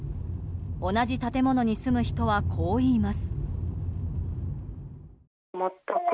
同じ建物に住む人はこう言います。